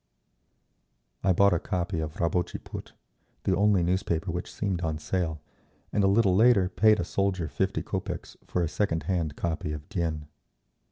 I bought a copy of Rabotchi Put, the only newspaper which seemed on sale, and a little later paid a soldier fifty kopeks for a second hand copy of _Dien.